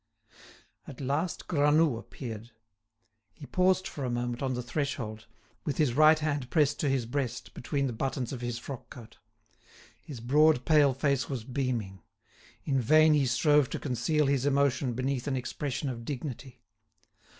At last Granoux appeared. He paused for a moment on the threshold, with his right hand pressed to his breast between the buttons of his frock coat; his broad pale face was beaming; in vain he strove to conceal his emotion beneath an expression of dignity.